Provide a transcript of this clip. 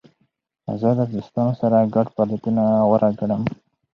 زه د دوستانو سره ګډ فعالیتونه غوره ګڼم.